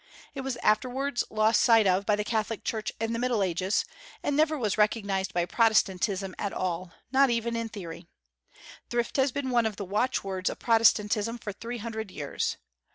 It was afterwards lost sight of by the Catholic Church in the Middle Ages, and never was recognized by Protestantism at all, not even in theory. Thrift has been one of the watchwords of Protestantism for three hundred years.